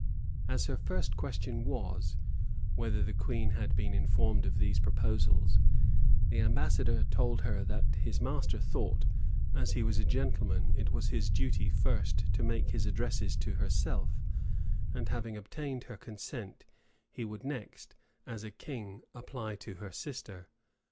As her first question was, whether the queen had been informed of these proposals, the ambassador told her, that his master thought, as he was a gentleman, it was his duty first to make his addresses to herself, and having obtained her consent, he would next, as a king, apply to her sister.